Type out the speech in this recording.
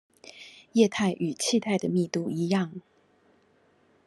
液態與氣態的密度一樣